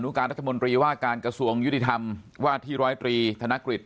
การรัฐมนตรีว่าการกระทรวงยุติธรรมว่าที่ร้อยตรีธนกฤษ